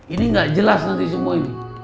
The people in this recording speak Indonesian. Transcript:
ini nggak jelas nanti semua ini